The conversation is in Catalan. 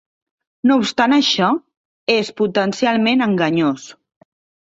No obstant això, és potencialment enganyós.